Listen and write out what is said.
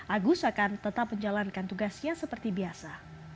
agus akan tetap menjalankan tugasnya seperti biasa